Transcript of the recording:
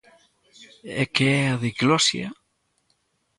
¿E que é a diglosia?